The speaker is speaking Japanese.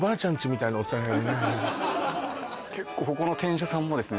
ねっ結構ここの店主さんもですね